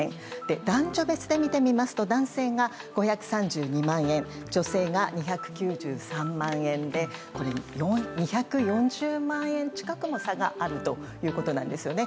男女別で見てみますと男性が５３２万円女性が２９３万円で２４０万円近くの差があるということですね。